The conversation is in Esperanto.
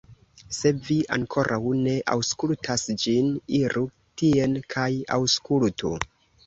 Se vi ankoraŭ ne aŭskultas ĝin, iru tien kaj aŭskultu!